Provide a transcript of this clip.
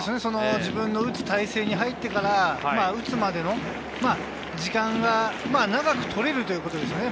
自分の打つ体勢になってから打つまでの時間が長く取れるということですね。